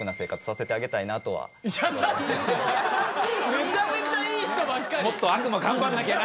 めちゃめちゃいい人ばっかり！